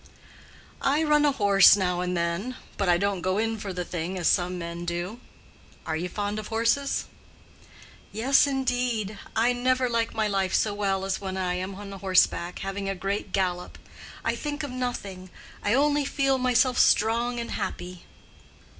"I run a horse now and then; but I don't go in for the thing as some men do. Are you fond of horses?" "Yes, indeed; I never like my life so well as when I am on horseback, having a great gallop. I think of nothing. I only feel myself strong and happy."